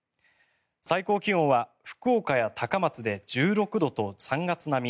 最高気温は福岡や高松で１６度と３月並み